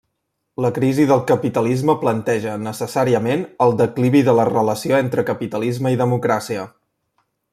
La crisi del capitalisme planteja necessàriament el declivi de la relació entre capitalisme i democràcia.